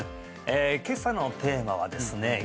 今朝のテーマはですね